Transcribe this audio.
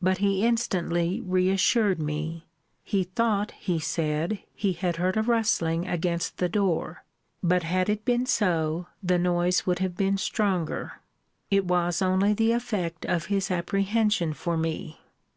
But he instantly re assured me: He thought, he said, he had heard a rustling against the door: but had it been so, the noise would have been stronger. It was only the effect of his apprehension for me.